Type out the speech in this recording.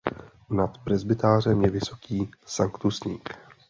Nad presbytářem je vysoký sanktusník.